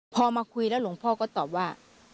พอมาคุยแล้วหลวงพ่อก็ตอบว่า